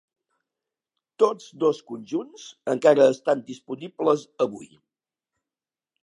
Tots dos conjunts encara estan disponibles avui.